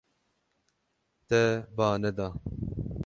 Te ba neda.